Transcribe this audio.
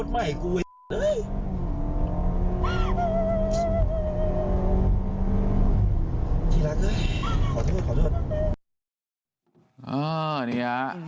เฮ้ย